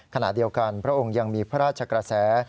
ขณะเดียวกันพระองค์ยังมีพระราชกระแส